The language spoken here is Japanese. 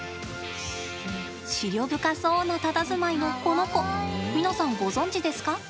思慮深そうなたたずまいのこの子、皆さんご存じですか？